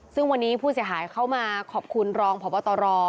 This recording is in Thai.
ซึ่งวันนี้ผู้เสียหายเข้ามาขอบคุณรองพบตร